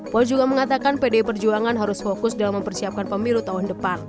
po juga mengatakan pdi perjuangan harus fokus dalam mempersiapkan pemilu tahun depan